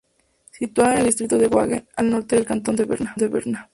Situada en el distrito de Wangen, al norte del cantón de Berna.